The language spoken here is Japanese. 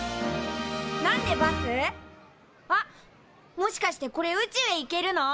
もしかしてこれ宇宙へ行けるの？